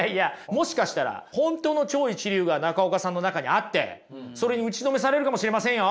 もしかしたら本当の超一流が中岡さんの中にあってそれに打ちのめされるかもしれませんよ。